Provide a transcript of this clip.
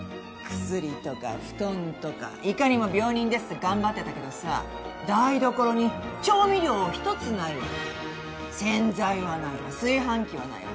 薬とか布団とかいかにも病人ですで頑張ってたけどさ台所に調味料一つないわ洗剤はないわ炊飯器はないわ。